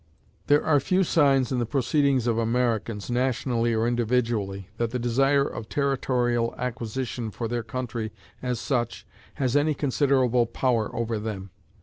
There are few signs in the proceedings of Americans, nationally or individually, that the desire of territorial acquisition for their country as such has any considerable power over them.